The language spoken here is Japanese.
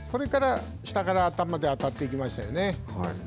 それから下から頭で当たっていきましたよね。